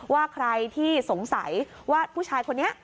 ว่าใครที่สงสัยว่าผู้ชายคนนี้